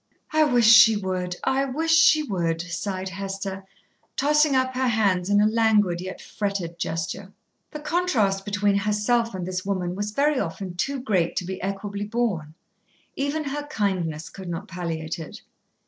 "I wish she would, I wish she would!" sighed Hester, tossing up her hands in a languid, yet fretted gesture. The contrast between herself and this woman was very often too great to be equably borne. Even her kindness could not palliate it.